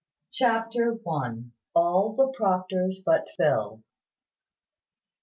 CHAPTER ONE. ALL THE PROCTORS BUT PHIL.